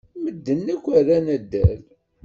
Medden akk ran addal.